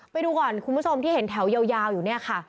ไปดูก่อนคุณผู้ชมที่เห็นแถวยาวอยู่เนี่ยค่ะ